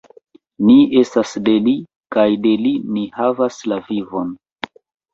Ni estas de Li kaj de Li ni havas la vivon!